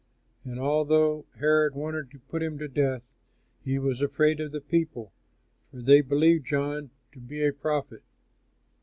And although Herod wanted to put him to death, he was afraid of the people, for they believed John to be a prophet.